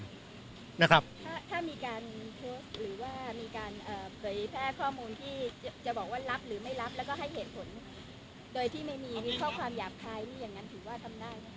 ถ้ามีการโพสต์หรือว่ามีการเผยแพร่ข้อมูลที่จะบอกว่ารับหรือไม่รับแล้วก็ให้เหตุผลโดยที่ไม่มีมีข้อความหยาบคายนี่อย่างนั้นถือว่าทำได้ไหม